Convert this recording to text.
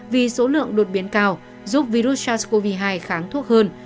vì số lượng đột biến cao giúp virus sars cov hai kháng thuốc hơn